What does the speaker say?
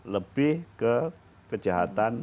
lebih ke kejahatan